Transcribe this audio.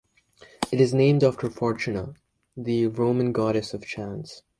It is named after Fortuna, the Roman goddess of chance.